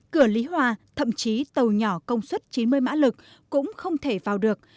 cửa lý hòa thậm chí tàu nhỏ công suất chín mươi mã lực cũng không thể vào được